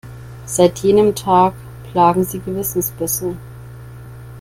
Seit jenem Tag plagen sie Gewissensbisse.